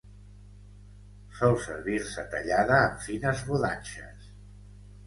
Sol servir-se tallada en fines rodanxes.